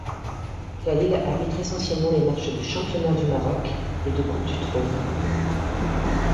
Khalil arbitre essentiellement les matchs du Championnat du Maroc et de Coupe du trône.